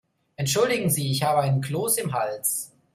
Entschuldigen Sie, ich habe einen Kloß im Hals.